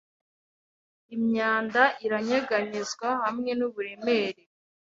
Imyanda iranyeganyezwa hamwe nuburemere